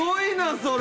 それ。